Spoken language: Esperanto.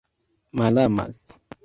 malamas